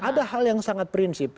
ada hal yang sangat prinsip